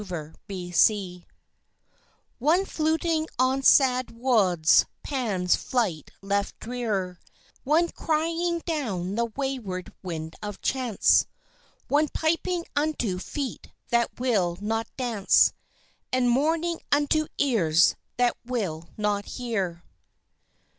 The Poet One fluting on sad wolds Pan's flight left drear, One crying down the wayward wind of Chance, One piping unto feet that will not dance And mourning unto ears that will not hear.